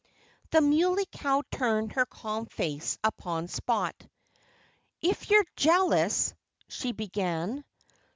The Muley Cow turned her calm face upon Spot. "If you're jealous " she began.